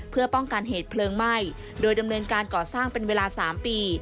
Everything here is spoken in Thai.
เพื่อป้องกันเหตุเพลิงไหม้โดยดำเนินการก่อสร้างเป็นเวลา๓ปี